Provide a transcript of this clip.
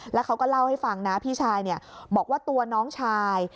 แล้วเขาก็เล่าให้ฟังนะพี่ชายบอกว่าตัวน้องชาย